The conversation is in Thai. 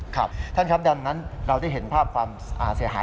ครับท่านครับดังนั้นเราได้เห็นภาพความเสียหาย